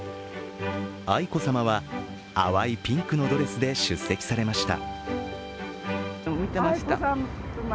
愛子さまは淡いピンクのドレスで出席されました。